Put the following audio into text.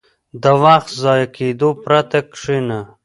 • د وخت د ضایع کېدو پرته کښېنه.